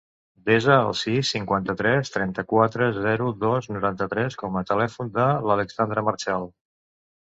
Desa el sis, cinquanta-tres, trenta-quatre, zero, dos, noranta-tres com a telèfon de l'Alexandra Marchal.